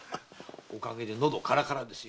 おかげでのどカラカラです。